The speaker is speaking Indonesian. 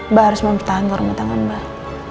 mbak harus mempertahankan rumah tangga mbak